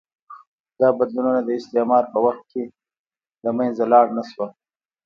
دا بدلونونه د استعمار په وخت کې له منځه لاړ نه شول.